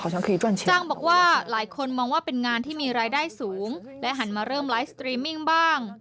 จ้างบอกว่าหลายคนมองว่าเป็นงานที่มีรายได้สูงและหันมาเริ่มไลฟ์สตรีมมิ่งบ้าง